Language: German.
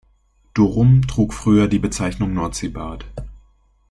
Dorum trug früher die Bezeichnung Nordseebad.